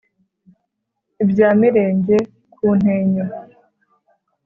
ibya Mirenge ku Ntenyo